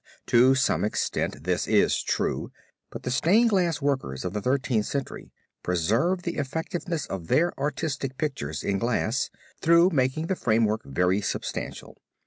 To some extent this is true, but the stained glass workers of the Thirteenth Century preserve the effectiveness of their artistic pictures in glass, though making the frame work very substantial.